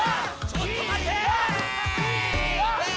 ちょっと待てーい！